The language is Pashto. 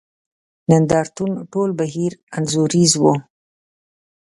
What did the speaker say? نند ارتون ټول بهیر انځوریز وو.